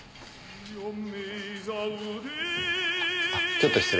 ちょっと失礼。